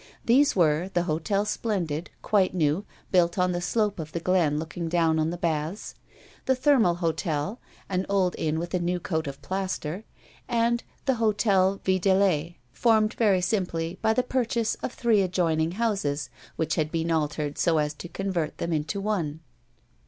These were the Hotel Splendid, quite new, built on the slope of the glen looking down on the baths; the Thermal Hotel, an old inn with a new coat of plaster; and the Hotel Vidaillet, formed very simply by the purchase of three adjoining houses, which had been altered so as to convert them into one.